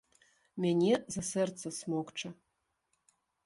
Мяне за сэрца смокча.